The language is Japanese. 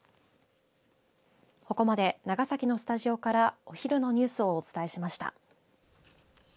ここまで長崎のスタジオからお昼のニュースをお伝えしました。